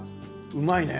うまいね。